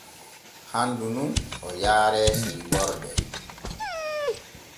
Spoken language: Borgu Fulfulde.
Handu nun o yaare sirborde.